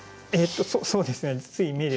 そうですね。